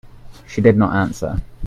She did not answer.